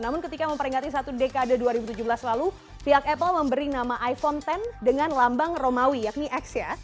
namun ketika memperingati satu dekade dua ribu tujuh belas lalu pihak apple memberi nama iphone x dengan lambang romawi yakni x ya